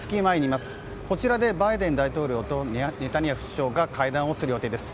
こちらでバイデン大統領と首相が会談をする予定です。